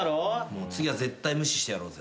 もう次は絶対無視してやろうぜ。